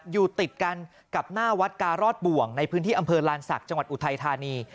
อยู่ติดกันกับหน้าวัดการอดบ่วงในพื้นที่อำเภอลานศักดิ์จังหวัดอุทัยธานี